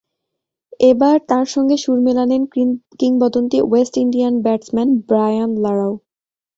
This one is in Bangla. এবার তাঁর সঙ্গে সুর মেলালেন কিংবদন্তি ওয়েস্ট ইন্ডিয়ান ব্যাটসম্যান ব্রায়ান লারাও।